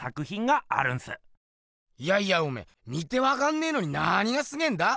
いやいやおめぇ見てわかんねぇのに何がすげぇんだ？